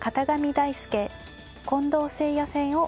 大輔近藤誠也戦をお送りします。